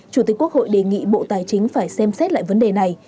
chủ tịch quốc hội đề nghị bộ tài chính phải xem xét lại vấn đề này